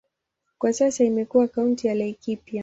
Kwa sasa imekuwa kaunti ya Laikipia.